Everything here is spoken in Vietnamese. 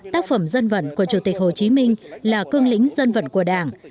tác phẩm dân vận của chủ tịch hồ chí minh là cương lĩnh dân vận của đảng